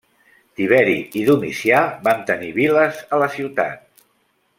Tiberi i Domicià van tenir viles a la ciutat.